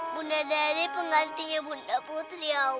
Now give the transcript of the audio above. bunda dari pengantinnya bunda putri allah